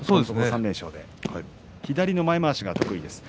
３連勝で左の前まわしが得意です。